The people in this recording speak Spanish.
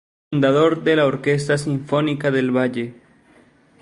Fundador de la Orquesta Sinfónica del Valle.